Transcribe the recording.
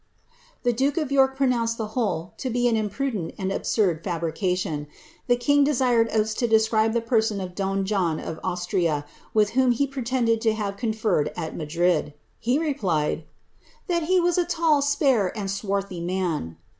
"' The duke of York pronounced the whole to be an impudent and ab surd fabrication. The king desired Oates to describe the person of don j John of Austria, with wliom he pretended to have conferred at Madrid: [ he replied, ^^ that he was a tall, spare, and swarthy man.''